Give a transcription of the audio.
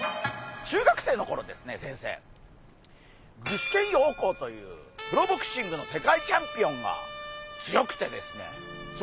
具志堅用高というプロボクシングの世界チャンピオンが強くてですね。